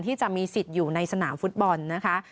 ที่จะมีสิทธิ์อยู่ในสนามฟุตบอลนะคะ